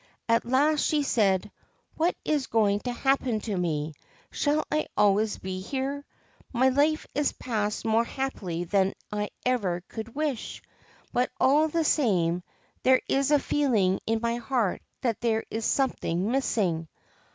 At last she said :' What is going to happen to me ? Shall I always be here ? My life is passed more happily than I ever could wish ; but, all the same, there is a feeling in my heart that there is something missing.'